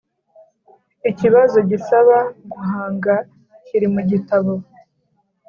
ikibazo gisaba guhanga kiri mu gitabo